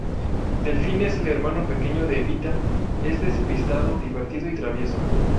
Delfín es el hermano pequeño de Evita, es despistado, divertido y travieso.